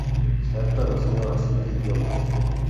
Se ha traducido a siete idiomas.